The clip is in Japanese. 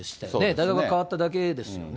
大学が変わっただけですよね。